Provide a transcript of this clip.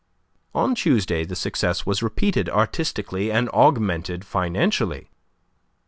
On Tuesday the success was repeated artistically and augmented financially.